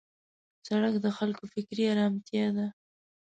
سړک د خلکو فکري آرامتیا ده.